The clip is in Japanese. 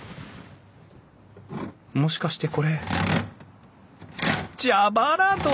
もしかしてこれ蛇腹戸！